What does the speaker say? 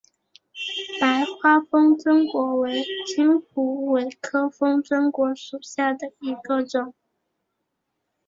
白花风筝果为金虎尾科风筝果属下的一个种。